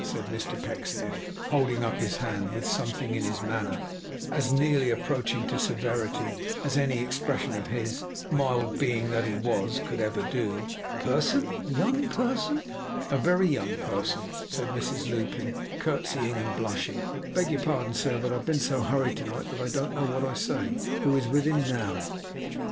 said Mr Pecksniff, holding up his hand with something in his manner as nearly approaching to severity as any expression of his, mild being that he was, could ever do. 'Person! young person?' 'A very young person,' said Mrs Lupin, curtseying and blushing; ' I beg your pardon, sir, but I have been so hurried to night, that I don't know what I say who is with him now.